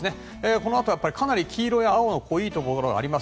このあとかなり黄色や青の濃いところがあります。